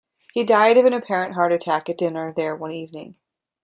He died of an apparent heart attack at dinner there one evening.